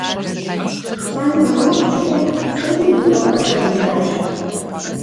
Лӏэн гъунэгъу щыхъум, лӏыжьым и къуэхэр къриджащ.